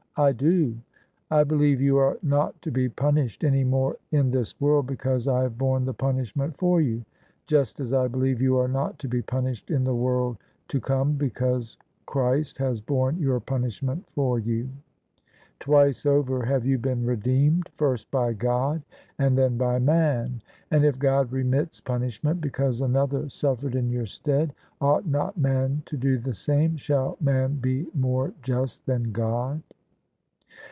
" I do. I believe you are not to be punished any more in this world because I have borne the punishment for you: just as I believe you are not to be punished in the world to come because Christ has borne your punishment for you. Twice over have you been redeemed — first by God and then by man: and if God remits punishment because Another suffered in your stead, ought not man to do the same? Shall man be more just than God?